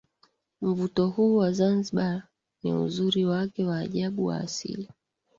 Mvuto huu wa Zanzibar ni uzuri wake wa ajabu wa asili